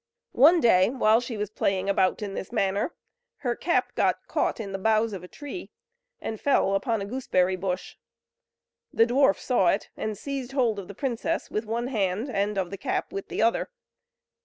One day, when she was playing about in this manner, her cap got caught in the boughs of a tree, and fell upon a gooseberry bush. The dwarf saw it, and seized hold of the princess with one hand, and of the cap with the other.